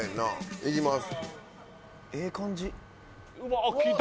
いきます。